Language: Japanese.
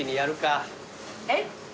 えっ？